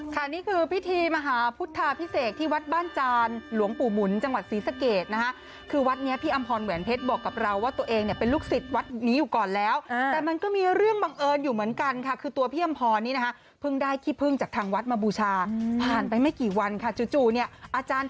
นี่คือพิธีมหาพุทธาพิเศษที่วัดบ้านจานหลวงปู่หมุนจังหวัดศรีสะเกดนะคะคือวัดนี้พี่อำพรแหวนเพชรบอกกับเราว่าตัวเองเนี่ยเป็นลูกศิษย์วัดนี้อยู่ก่อนแล้วแต่มันก็มีเรื่องบังเอิญอยู่เหมือนกันค่ะคือตัวพี่อำพรนี่นะคะเพิ่งได้ขี้พึ่งจากทางวัดมาบูชาผ่านไปไม่กี่วันค่ะจู่เนี่ยอาจารย์